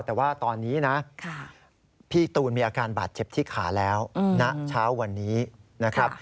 แต่ว่าตอนนี้นะพี่ตูนมีอาการบาดเจ็บที่ขาแล้วณเช้าวันนี้นะครับ